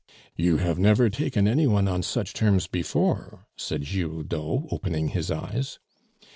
"You have never taken any one on such terms before," said Giroudeau, opening his eyes.